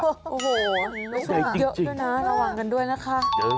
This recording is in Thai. โอ้โฮไม่ใช่จริงนะระวังกันด้วยนะคะโอ้โฮไม่ช่วยเยอะด้วยนะ